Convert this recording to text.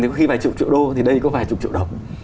thì có khi vài chục triệu đô thì đây có vài chục triệu đồng